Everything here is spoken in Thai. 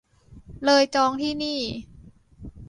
เลยจองที่นี่